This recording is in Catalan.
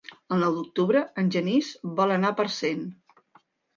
El nou d'octubre en Genís vol anar a Parcent.